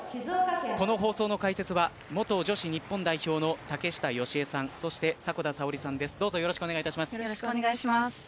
この放送の解説は元女子日本代表の竹下佳江さんそして迫田さおりさんです。